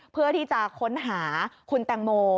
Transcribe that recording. เพื่อที่จะค้นหาคุณแตงโม